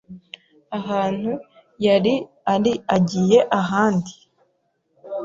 ahantu yari ari agiye ahandi.